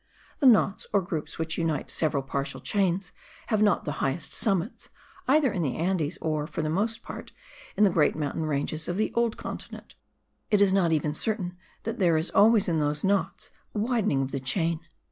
The knots or groups which unite several partial chains have not the highest summits, either in the Andes or, for the most part, in the great mountain ranges of the old continent; it is not even certain that there is always in those knots a widening of the chain.